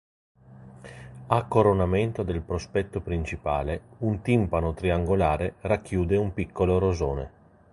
A coronamento del prospetto principale un timpano triangolare racchiude un piccolo rosone.